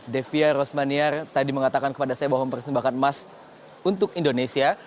devia rosmaniar tadi mengatakan kepada saya bahwa mempersembahkan emas untuk indonesia